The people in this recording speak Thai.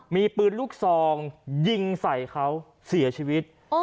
มีปืนลูกซองยิงใส่เขาเสียชีวิต